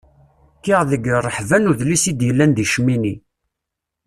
Kkiɣ deg rreḥba n udlis i d-yellan deg Cmini.